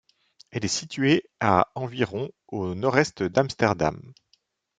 Elle est située à environ au nord-est d'Amsterdam.